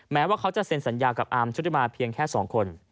แม้ว่าเขาจะเซ็นสัญญากับอาร์มชุติมาเพียงแค่๒คน